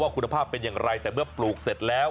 คุณภาพเป็นอย่างไรแต่เมื่อปลูกเสร็จแล้ว